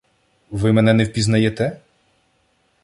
— Ви мене не впізнаєте?